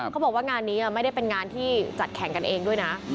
เขาบอกว่างานนี้ไม่ได้เป็นงานที่จัดแข่งกันเองด้วยนะ